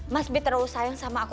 mas bi terlalu sayang sama aku